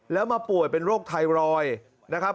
แล้วมาป่วยเป็นโรคไทรอยด์นะครับ